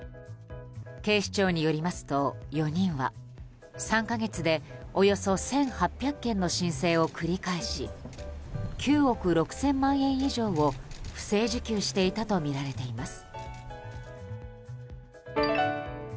警視庁によりますと４人は３か月でおよそ１８００件の申請を繰り返し９億６０００万円以上を不正受給していたとみられます。